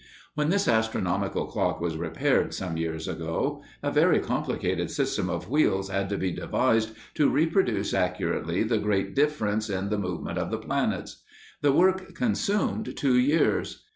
When this astronomical clock was repaired, some years ago, a very complicated system of wheels had to be devised to reproduce accurately the great difference in the movement of the planets. The work consumed two years.